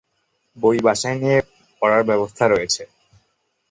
বই বাসায় নিয়ে পড়ার ব্যবস্থা রয়েছে।